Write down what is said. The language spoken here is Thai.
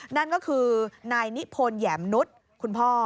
นั่นก็คือนายนิพนธ์แหยมนุษย์คุณพ่อ